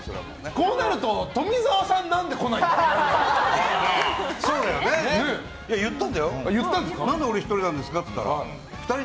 こうなると富澤さんが何で来ないんだろうって。